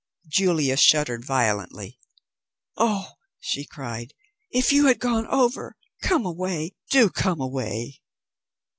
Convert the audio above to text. Julia shuddered violently. "Oh," she cried, "if you had gone over! Come away, do come away!"